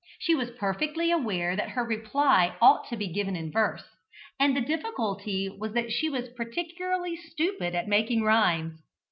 She was perfectly aware that her reply ought to be given in verse, and the difficulty was that she was particularly stupid at making rhymes.